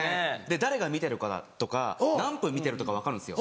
誰が見てるかだとか何分見てるとか分かるんですよ。